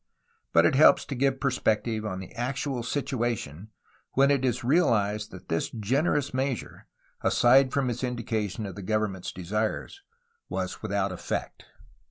But it helps to give per spective on the actual situation when it is realized that this generous measure, aside from its indication of the govern ment's desires, was without effect.